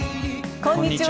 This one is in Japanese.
こんにちは。